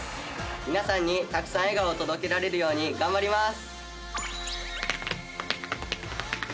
皆さんにたくさん笑顔を届けられるように頑張ります！